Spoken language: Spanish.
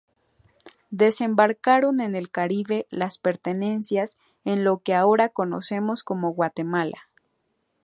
Desembarcaron en el Caribe las pertenencias en lo que ahora conocemos como Guatemala.